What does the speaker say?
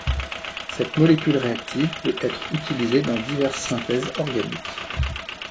Cette molécule réactive peut être utilisée dans diverses synthèses organiques.